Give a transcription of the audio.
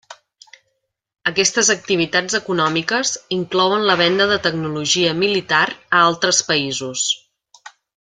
Aquestes activitats econòmiques inclouen la venda de tecnologia militar a altres països.